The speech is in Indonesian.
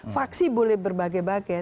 faksi boleh berbagai bagai